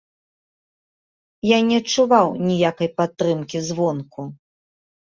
Я не адчуваў ніякай падтрымкі звонку.